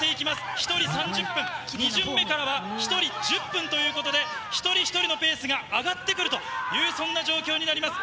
１人３０分、２巡目からは１人１０分ということで、一人一人のペースが上がってくるという、そんな状況になります。